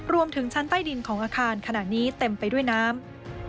ชั้นใต้ดินของอาคารขณะนี้เต็มไปด้วยน้ำ